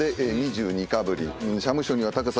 社務所には高さ